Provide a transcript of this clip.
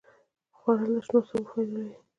خوړل د شنو سبو فایده لري